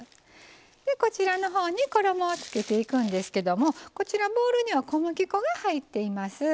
こちらのほうに衣をつけていくんですけどもこちらボウルには小麦粉が入っています。